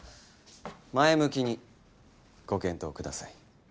前向きにご検討ください。